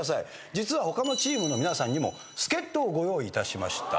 実は他のチームの皆さんにも助っ人をご用意いたしました。